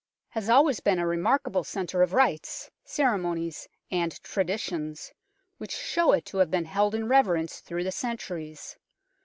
Ca LONDON STONE 129 always been a remarkable centre of rites, cere monies and traditions, which show it to have been held in reverence through the centuries.